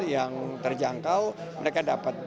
yang terjangkau mereka dapat